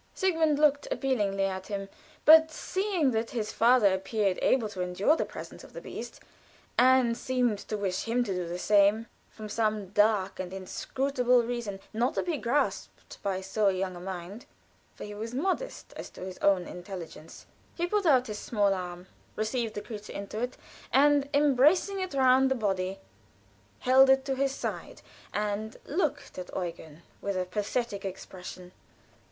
Sigmund looked appealingly at him, but seeing that his father appeared able to endure the presence of the beast, and seemed to wish him to do the same, from some dark and inscrutable reason not to be grasped by so young a mind for he was modest as to his own intelligence he put out his small arm, received the creature into it, and embracing it round the body, held it to his side, and looked at Eugen with a pathetic expression.